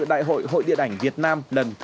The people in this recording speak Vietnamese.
đại hội hội điện ảnh việt nam lần thứ chín